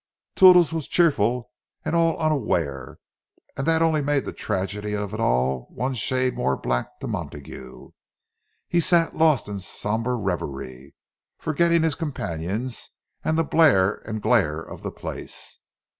Toodles was cheerful and all unaware; and that only made the tragedy of it all one shade more black to Montague. He sat lost in sombre reverie, forgetting his companions, and the blare and glare of the place.